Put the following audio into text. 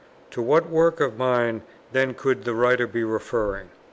To what work of mine then could the writer be referring?